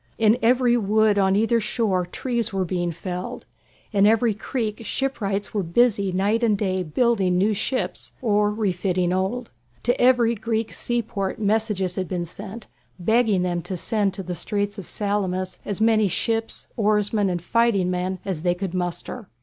In every wood on either shore trees were being felled. In every creek shipwrights were busy night and day building new ships or refitting old. To every Greek seaport messages had been sent, begging them to send to the Straits of Salamis as many ships, oarsmen, and fighting men as they could muster.